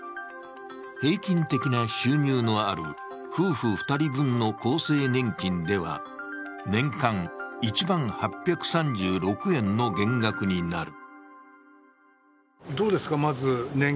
平均的な収入のある夫婦２人分の厚生年金では、年間１万８３６円の減額になる。